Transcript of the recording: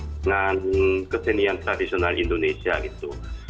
dengan kesenian tradisional indonesia gitu